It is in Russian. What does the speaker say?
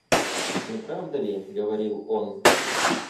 Не правда ли?— говорил он.